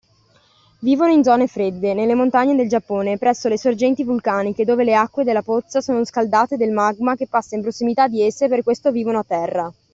Vivono in zone fredde, nelle montagne del Giappone presso le sorgenti vulcaniche dove le acque della pozza sono scaldate del magma che passa in prossimità di esse per questo vivono a terra.